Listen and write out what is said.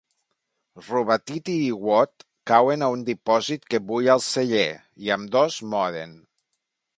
Rubbatiti i Watt cauen a un dipòsit que bull al celler, i ambdós moren.